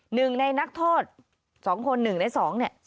หนึ่งในนักโทษสองคนหนึ่งในสองเนี่ย